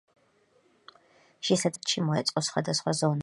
შესაძლებელია დაცული ლანდშაფტში მოეწყოს სხვადასხვა ზონა.